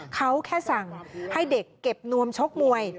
เขาแค่สั่งให้เด็กเก็บนวมชกมวย